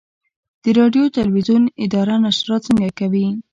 د راډیو تلویزیون اداره نشرات څنګه کوي؟